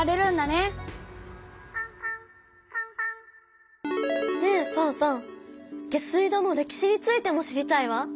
ねえファンファン下水道の歴史についても知りたいわ。